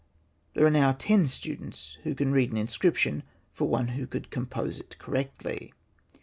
There are now ten students who can read an inscription for one who could compose it correctly.